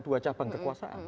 dua cabang kekuasaan